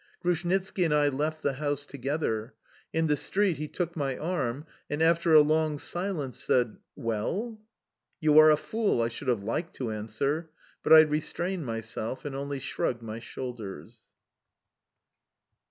Grushnitski and I left the house together. In the street he took my arm, and, after a long silence, said: "Well?" "You are a fool," I should have liked to answer. But I restrained myself and only shrugged my shoulders.